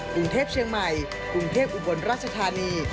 กรุงเทพเชียงใหม่กรุงเทพอุบลราชธานี